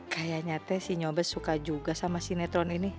kayaknya teh si nyobet suka juga sama sinetron ini